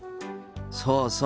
そうそう。